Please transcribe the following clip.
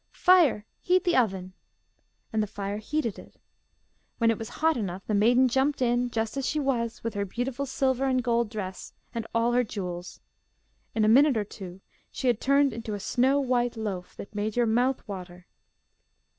'Fire, heat the oven.' And the fire heated it. When it was hot enough, the maiden jumped in, just as she was, with her beautiful silver and gold dress, and all her jewels. In a minute or two she had turned into a snow white loaf, that made your mouth water.